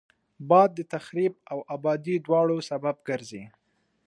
باد د تخریب او آبادي دواړو سبب ګرځي